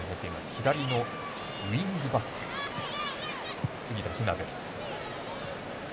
左のウイングバック杉田妃和です。